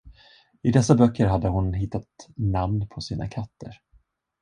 I dessa böcker hade hon hittat namn på sina katter.